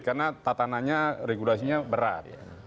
karena tatananya regulasinya berat